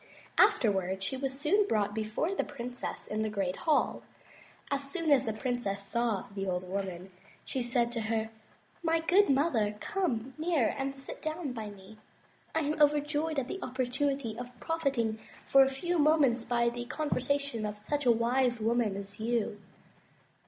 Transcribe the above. Afterward she was brought before the princess in the great hall. As soon as the princess saw the old woman, she said to her: "My good mother, come near and sit down by me. I am over joyed at the opportunity of profiting for a few moments by the conversation of such a wise woman as you."